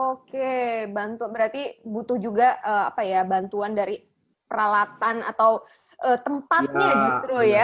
oke berarti butuh juga apa ya bantuan dari peralatan atau tempatnya justru ya